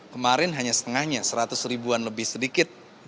karena itu ada kekurangan yang lebih dari seratus ribuan